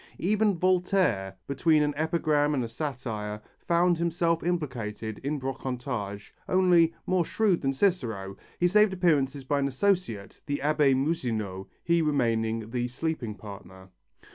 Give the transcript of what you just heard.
Even Voltaire, between an epigram and a satire, found himself implicated in brocantage, only, more shrewd than Cicero, he saved appearances by an associate, the Abbé Moussinot, he remaining the sleeping partner.